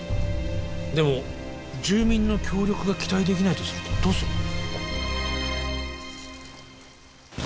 でも住民の協力が期待できないとするとどうするの？